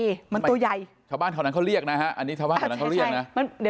นี่มันตัวใหญ่ชาวบ้านเท่านั้นเขาเรียกนะฮะอันนี้ชาวบ้านแถวนั้นเขาเรียกนะ